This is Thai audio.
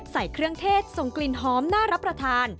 ใส่เครื่องเทศส่งกลิ่นหอมน่ารับประทาน